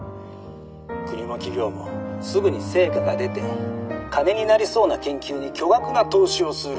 国も企業もすぐに成果が出て金になりそうな研究に巨額な投資をする。